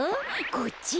こっちか？